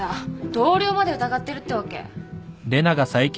同僚まで疑ってるってわけ？